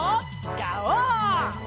ガオー！